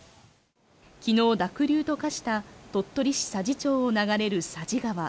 きのう濁流と化した鳥取市佐治町を流れる佐治川